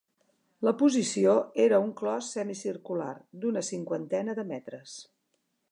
La posició era un clos semicircular, d'una cinquantena de metres